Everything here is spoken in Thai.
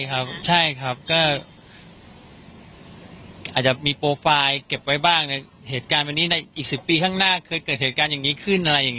ใช่ครับก็อาจจะมีโปรไฟล์เก็บไว้บ้างในเหตุการณ์วันนี้ในอีก๑๐ปีข้างหน้าเคยเกิดเหตุการณ์อย่างนี้ขึ้นอะไรอย่างนี้